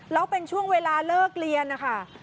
แล้วเป็นช่วงเวลาเลิกเรียนนะคะ